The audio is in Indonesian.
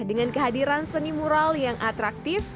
dengan kehadiran seni mural yang atraktif